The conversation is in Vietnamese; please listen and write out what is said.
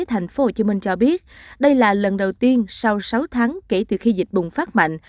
tp hcm cho biết đây là lần đầu tiên sau sáu tháng kể từ khi dịch bùng phát mạnh